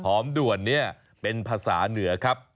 หอมด่วนเป็นภาษาเหนือครับ